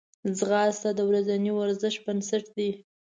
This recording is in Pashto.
ځغاسته د ورځني ورزش بنسټ دی